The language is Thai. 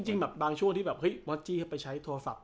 จริงบางช่วงที่วอสจี้ไปใช้โทรศัพท์